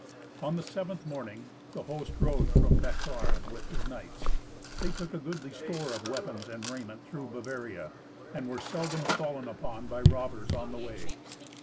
On the seventh morning the host rode from Bechlaren with his knights. They took a goodly store of weapons and raiment through Bavaria, and were seldom fallen upon by robbers on the way.